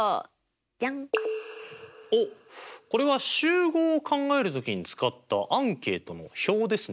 おっこれは集合を考える時に使ったアンケートの表ですね。